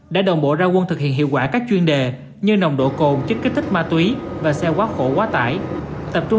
đã đồng bộ ra quân thực hiện hiệu quả các chuyên đề như nồng độ cồn